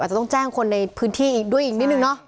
อาจจะต้องแจ้งคนในพื้นที่ด้วยอีกนิดนึง